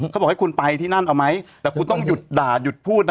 เขาบอกให้คุณไปที่นั่นเอาไหมแต่คุณต้องหยุดด่าหยุดพูดนะ